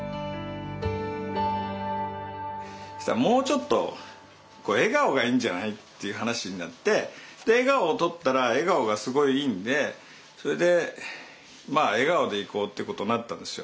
もうちょっと笑顔がいいんじゃない？っていう話になって笑顔を撮ったら笑顔がすごいいいんでそれでまあ笑顔でいこうっていうことになったんですよ。